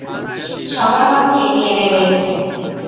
সবার মাঝেই ডিএনএ রয়েছে।